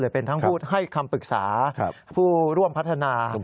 เป็นทั้งผู้ให้คำปรึกษาผู้ร่วมพัฒนา